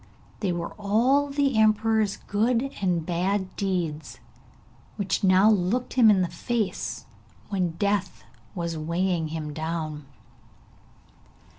They were all the emperor's good and bad deeds, which now looked him in the face when Death was weighing him down.